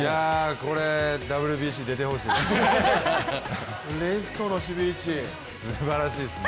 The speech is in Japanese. これ、ＷＢＣ出てほしいですね。